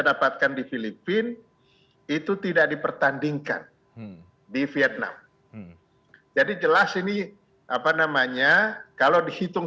dapatkan di filipina itu tidak dipertandingkan di vietnam jadi jelas ini apa namanya kalau dihitung